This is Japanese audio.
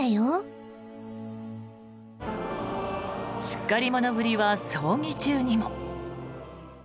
しっかり者ぶりは葬儀中にも。